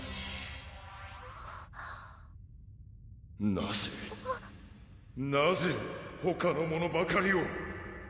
なぜなぜほかの者ばかりを！